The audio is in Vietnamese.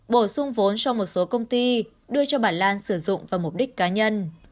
bổ sung vốn cho một số công ty đưa cho bà lan sử dụng vào mục đích cá nhân